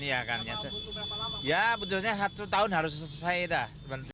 ya betulnya satu tahun harus selesai dah